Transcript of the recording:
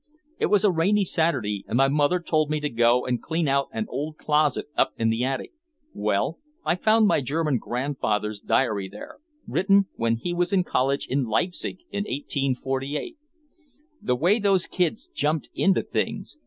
It was a rainy Saturday and my mother told me to go and clean out an old closet up in the attic. Well, I found my German grandfather's diary there, written when he was in college in Leipsic, in 1848. The way those kids jumped into things!